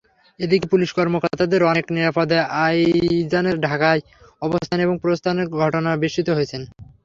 এদিকে পুলিশ কর্মকর্তাদের অনেকে নিরাপদে আইজানের ঢাকায় অবস্থান এবং প্রস্থানের ঘটনায় বিস্মিত হয়েছেন।